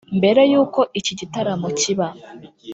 Mbere y’uko iki gitaramo kiba